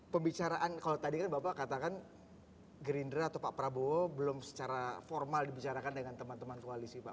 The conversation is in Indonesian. pembicaraan kalau tadi kan bapak katakan gerindra atau pak prabowo belum secara formal dibicarakan dengan teman teman koalisi pak